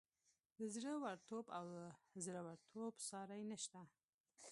د زړه ورتوب او زورورتوب ساری نشته.